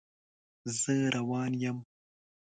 زه روان یم